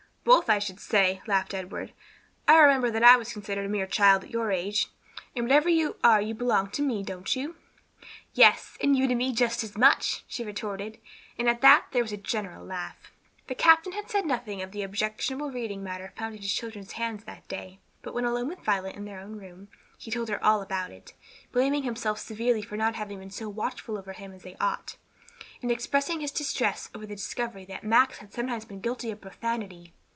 "Both, I should say," laughed Edward. "I remember that I was considered a mere child at your age. And whatever you are you belong to me, don't you?" "Yes; and you to me just as much," she retorted, and at that there was a general laugh. The captain had said nothing of the objectionable reading matter found in his children's hands that day, but when alone with Violet in their own room, he told her all about it, blaming himself severely for not having been so watchful over them as he ought, and expressing his distress over the discovery that Max had sometimes been guilty of profanity.